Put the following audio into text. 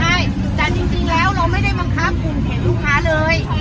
ใช่จะจริงจริงแล้วเราไม่ได้บังคับกุ่มเผ็ดลูกค้าเลย